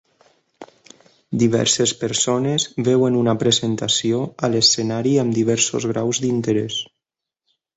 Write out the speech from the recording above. Diverses persones veuen una presentació a l'escenari amb diversos graus d'interès.